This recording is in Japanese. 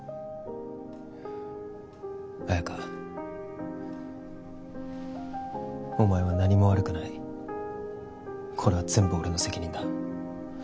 綾華お前は何も悪くないこれは全部俺の責任だ